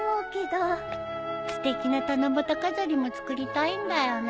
すてきな七夕飾りも作りたいんだよね。